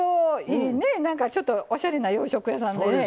いいねなんかちょっとおしゃれな洋食屋さんでね